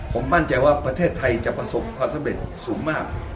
ผมมั่นใจว่าประเทศไทยจะประสบความสำเร็จสูงมาก